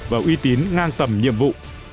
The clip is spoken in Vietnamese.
và uy tín ngang tầm nhiệm vụ